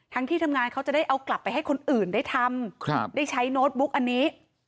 ที่ทำงานเขาจะได้เอากลับไปให้คนอื่นได้ทำได้ใช้โน้ตบุ๊กอันนี้